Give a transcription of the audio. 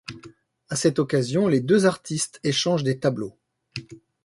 À cette occasion, les deux artistes échangent des tableaux.